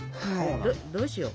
どうしよう？